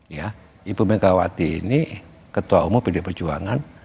ya ibu megawati ini ketua umum pdi perjuangan